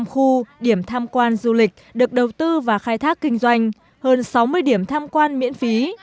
ba mươi năm khu điểm tham quan du lịch được đầu tư và khai thác kinh doanh hơn sáu mươi điểm tham quan miễn phí